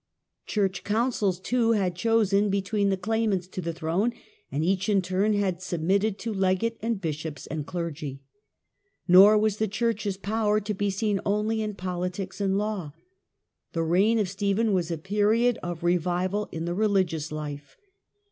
Church councils, too, had chosen between the claim ants to the throne, and each in turn had submitted to legate and bishops and clergy. Nor was the church's power to be seen only in politics and law. The reign of Stephen was a period of revival in the religious life.